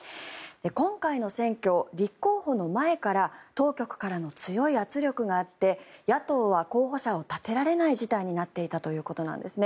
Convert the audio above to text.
今回の選挙、立候補の前から当局からの強い圧力があって野党は候補者を立てられない事態となっていたということです。